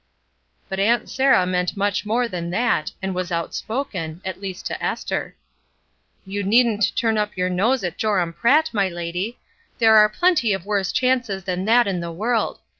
But Aunt Sarah meant much more than that, and was outspoken, at least to Esther. "You needn't turn up your nose at Joram Pratt, my lady; there are plenty of worse chances than that in the world.